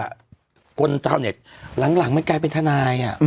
ว่าคนเธอเนี่ยหลังมันกลายเป็นท่านายอ่ะ